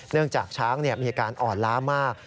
จากช้างมีอาการอ่อนล้ามาก